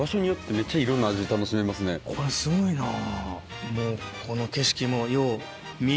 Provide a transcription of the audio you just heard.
これすごいな。ねぇ。